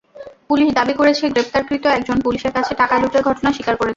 Police দাবি করেছে, গ্রেপ্তারকৃত একজন পুলিশের কাছে টাকা লুটের ঘটনা স্বীকার করেছেন।